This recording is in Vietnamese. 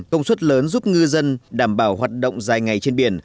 công suất lớn giúp ngư dân đảm bảo hoạt động dài ngày trên biển